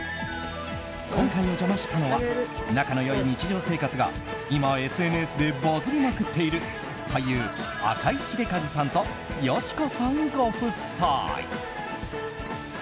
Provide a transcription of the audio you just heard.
今回、お邪魔したのは仲の良い日常生活が今、ＳＮＳでバズりまくっている俳優・赤井英和さんと佳子さんご夫妻。